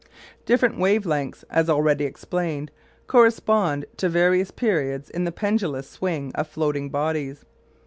Different wave lengths, as already explained, correspond to various periods in the pendulous swing of floating bodies.